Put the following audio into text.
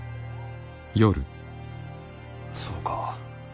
そうか。